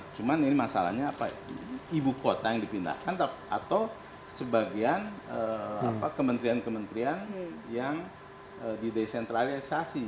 cuman ini masalahnya apa ibu kota yang dipindahkan atau sebagian kementerian kementerian yang didesentralisasi